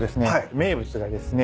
名物がですね